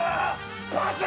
パシャ！